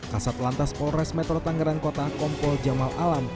kasat lantas polres metro tangerang kota kompol jamal alam